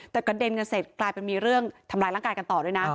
แต่กระเด็นกันเสร็จกลายเป็นมีเรื่องทำร้ายร่างกายกันต่อด้วยนะ